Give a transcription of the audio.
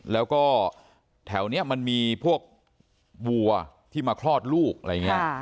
แล้วก็แถวนี้มันมีพวกวัวที่มาคลอดลูกอะไรอย่างนี้